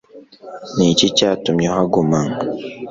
ni iki cyatumye uhaguma